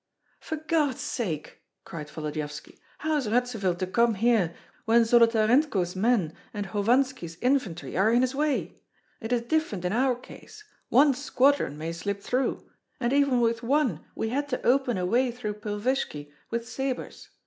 "For God's sake," cried Volodyovski, "how is Radzivill to come here when Zolotarenko's men and Hovanski's infantry are in his way? It is different in our case! One squadron may slip through, and even with one we had to open a way through Pilvishki with sabres.